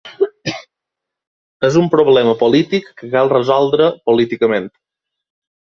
És un problema polític que cal resoldre políticament.